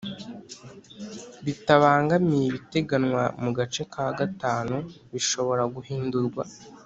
Bitabangamiye ibiteganywa mu gace ka gatanu bishobora guhindurwa